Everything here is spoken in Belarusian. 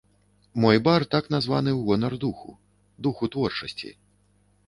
Мой бар так названы ў гонар духу, духу творчасці.